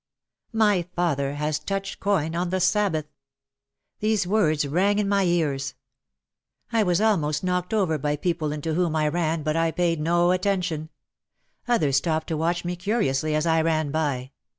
"My father has touched coin on the Sabbath!" These words rang in my ears. I was almost knocked OUT OF THE SHADOW 79 over by people into whom I ran but I paid no attention. Others stopped to watch me curiously as I ran by.